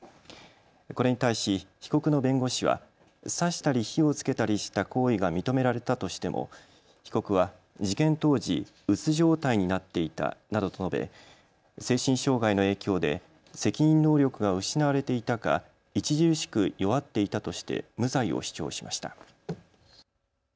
これに対し被告の弁護士は刺したり火をつけたりした行為が認められたとしても被告は事件当時、うつ状態になっていたなどと述べ精神障害の影響で責任能力が失われていたか著しく弱っていたとして無罪を主張しました。